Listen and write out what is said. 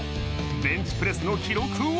ベンチプレスの記録は。